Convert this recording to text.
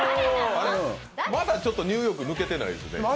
まだちょっとニューヨーク抜けてないね。